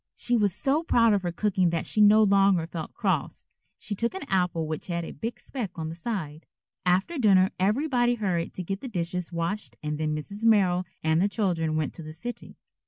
She was so proud of her cooking that she no longer felt cross. She took an apple which had a big speck on the side. After dinner everybody hurried to get the dishes washed and then Mrs. Merrill and the children went to the city.